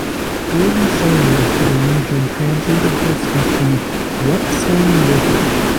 Early settlers to the region translated this into "Whetstone River".